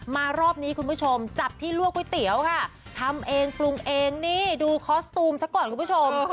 รอบนี้คุณผู้ชมจับที่ลวกก๋วยเตี๋ยวค่ะทำเองปรุงเองนี่ดูคอสตูมซะก่อนคุณผู้ชม